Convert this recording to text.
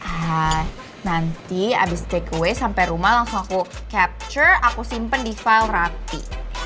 ehm nanti abis take away sampe rumah langsung aku capture aku simpen di file rapi